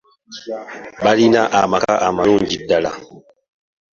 Balina amaka amalungi ddala.